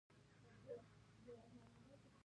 درېنۍ څلورنۍ پینځنۍ ورځو کې کار کوم جمعه روخصت وي